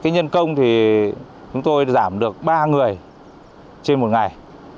nhân công thì chúng tôi giảm được ba người trên một ngày